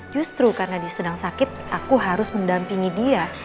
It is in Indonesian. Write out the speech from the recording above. justru karena sedang sakit aku harus mendampingi dia